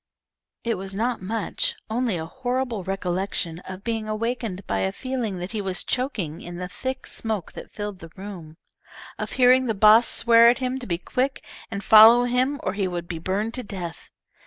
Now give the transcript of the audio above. It was not much, only a horrible recollection of being awakened by a feeling that he was choking in the thick smoke that filled the room; of hearing the boss swear at him to be quick and follow him or he would be burned to death.